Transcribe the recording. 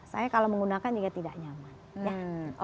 saya kalau menggunakan juga tidak nyaman